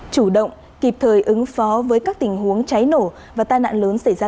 chủ động kịp thời ứng phó với các tình huống cháy nổ và tai nạn lớn xảy ra